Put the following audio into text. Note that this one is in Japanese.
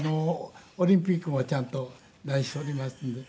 オリンピックもちゃんと出しておりますので。